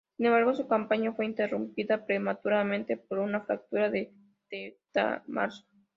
Sin embargo, su campaña fue interrumpida prematuramente por una fractura de metatarso.